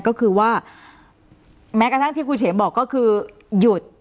ก็คือว่าแม้กระทั่งที่ครูเฉมบอกก็คือหยุด